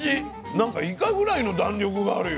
なんかイカぐらいの弾力があるよ。